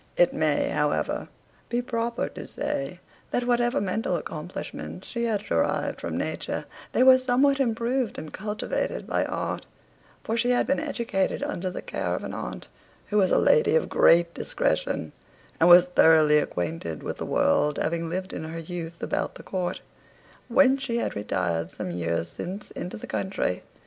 It may, however, be proper to say, that whatever mental accomplishments she had derived from nature, they were somewhat improved and cultivated by art: for she had been educated under the care of an aunt, who was a lady of great discretion, and was thoroughly acquainted with the world, having lived in her youth about the court, whence she had retired some years since into the country.